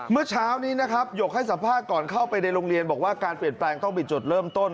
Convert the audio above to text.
เมื่อเช้านี้นะครับหยกให้สัมภาษณ์ก่อนเข้าไปในโรงเรียนบอกว่าการเปลี่ยนแปลงต้องมีจุดเริ่มต้น